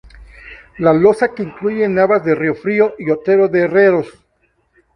La Losa que incluye Navas de Riofrío y Otero de Herreros.